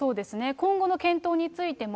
今後の検討についても、